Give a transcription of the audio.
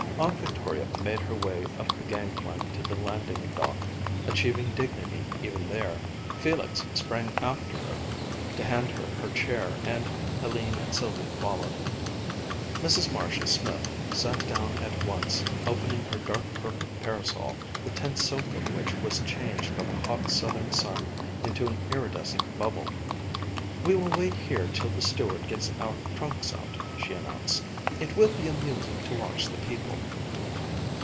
Aunt Victoria made her way up the gang plank to the landing dock, achieving dignity even there. Felix sprang after her, to hand her her chair, and Helene and Sylvia followed. Mrs. Marshall Smith sat down at once, opening her dark purple parasol, the tense silk of which was changed by the hot Southern sun into an iridescent bubble. "We will wait here till the steward gets our trunks out," she announced." It will be amusing to watch the people."